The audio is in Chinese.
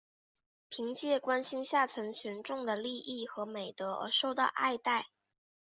凭借关心下层群众的利益和美德而受到爱戴。